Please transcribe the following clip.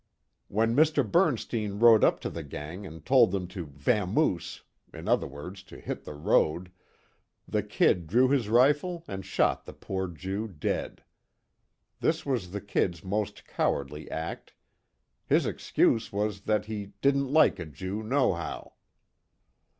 When Mr. Bernstein rode up to the gang and told them to "vamoose," in other words, to hit the road, the "Kid" drew his rifle and shot the poor Jew dead. This was the "Kid's" most cowardly act. His excuse was that he "didn't like a Jew, nohow."